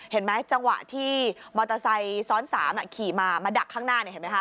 เห็นไหมจังหวะที่มอเตอร์ไซค์ซ้อน๓ขี่มามาดักข้างหน้าเห็นไหมคะ